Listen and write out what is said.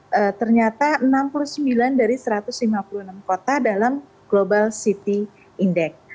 dan juga ternyata enam puluh sembilan dari satu ratus lima puluh enam kota dalam global city index